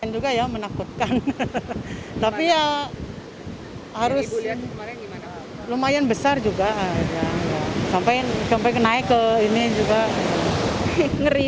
juga ya menakutkan tapi ya harus gimana lumayan besar juga sampai naik ke ini juga ngeri